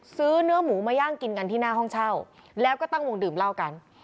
ซื้อเนื้อหมูมาย่างกินกันที่หน้าห้องเช่าแล้วก็ตั้งวงดื่มเหล้ากัน